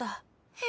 え？